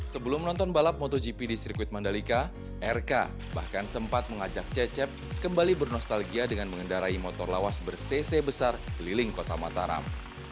sebelum menonton balap motogp di sirkuit mandalika rk bahkan sempat mengajak cecep kembali bernostalgia dengan mengendarai motor lawas bersese besar keliling kota mataram